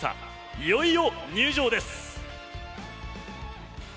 いよいよ入場です。